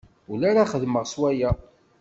Ula ara xedmeɣ s waya.